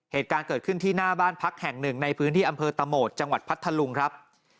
เหตุการณ์เกิดขึ้นที่หน้าบ้านพักแห่งหนึ่งในพื้นที่อำเภอตะโหมดจังหวัดพัทธลุงครับ